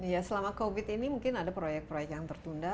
ya selama covid ini mungkin ada proyek proyek yang tertunda